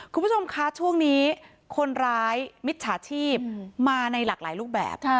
คุณผู้ชมคะช่วงนี้คนร้ายมิจฉาชีพมาในหลากหลายรูปแบบ